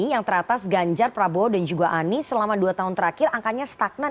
yang teratas ganjar prabowo dan juga anies selama dua tahun terakhir angkanya stagnan